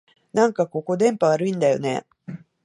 なんかここ、電波悪いんだよねえ